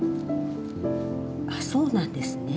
あっそうなんですね。